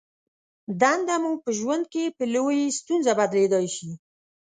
دنده مو په ژوند کې په لویې ستونزه بدلېدای شي.